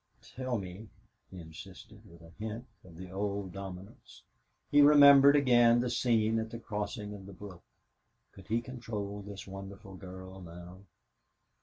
"Tell me," he insisted, with a hint of the old dominance. He remembered again the scene at the crossing of the brook. Could he control this wonderful girl now?